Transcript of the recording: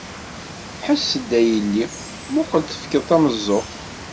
Ḥess-d, a yelli, muqel tefkeḍ tameẓẓuɣt.